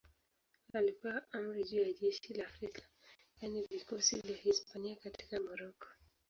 Alipewa amri juu ya jeshi la Afrika, yaani vikosi vya Hispania katika Moroko.